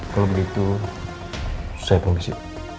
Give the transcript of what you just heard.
kalau begitu saya polisi